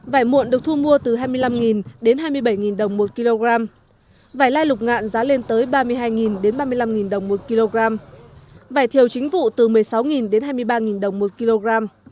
vải muộn được thu mua từ hai mươi năm đến hai mươi bảy đồng một kg vải lai lục ngạn giá lên tới ba mươi hai ba mươi năm đồng một kg vải thiều chính vụ từ một mươi sáu đến hai mươi ba đồng một kg